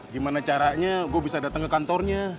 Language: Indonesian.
gimana caranya gue bisa datang ke kantornya